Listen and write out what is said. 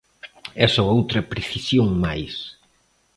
E só outra precisión máis.